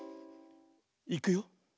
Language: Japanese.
いくよ。